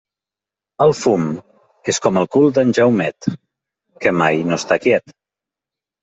El fum és com el cul d'en Jaumet, que mai no està quiet.